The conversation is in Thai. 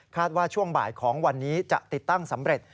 ว่าช่วงบ่ายของวันนี้จะติดตั้งสำเร็จ